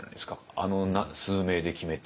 あの数名で決めて。